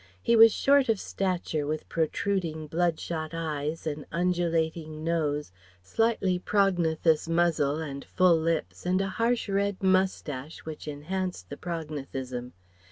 He was short of stature with protruding bloodshot eyes, an undulating nose, slightly prognathous muzzle and full lips, and a harsh red moustache which enhanced the prognathism.